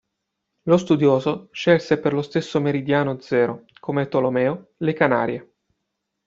Lo studioso scelse per lo stesso meridiano Zero, come Tolomeo, le Canarie.